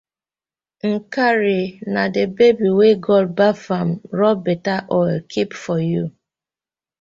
Nkari na di babe wey God baf am rob betta oil keep for yu.